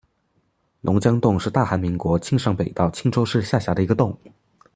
龙江洞是大韩民国庆尚北道庆州市下辖的一个洞。